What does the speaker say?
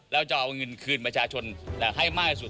แล้วจะเอาเงินคืนประชาชนให้มากที่สุด